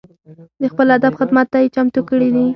د خپل ادب خدمت ته یې چمتو کړي دي.